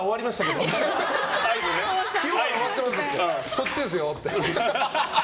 そっちですよって。